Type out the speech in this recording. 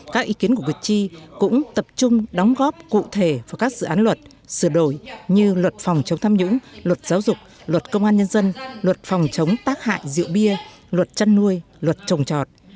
các ý kiến của cử tri cũng tập trung đóng góp cụ thể vào các dự án luật sửa đổi như luật phòng chống tham nhũng luật giáo dục luật công an nhân dân luật phòng chống tác hại rượu bia luật chăn nuôi luật trồng trọt